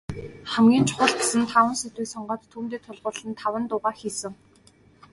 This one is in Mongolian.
Хамгийн чухал гэсэн таван сэдвийг сонгоод, түүндээ тулгуурлан таван дуугаа хийсэн.